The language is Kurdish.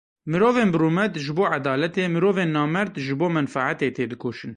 Mirovên birûmet ji bo edaletê, mirovên nemerd ji bo menfaetê têdikoşin.